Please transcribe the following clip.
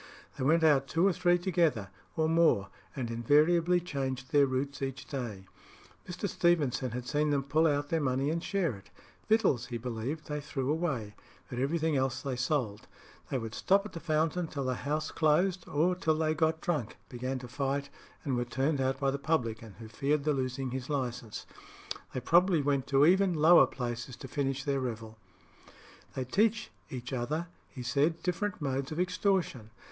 They went out two or three together, or more, and invariably changed their routes each day. Mr. Stevenson had seen them pull out their money and share it. Victuals, he believed, they threw away; but everything else they sold. They would stop at the Fountain till the house closed, or till they got drunk, began to fight, and were turned out by the publican, who feared the losing his licence. They probably went to even lower places to finish their revel. "They teach other," he said, "different modes of extortion.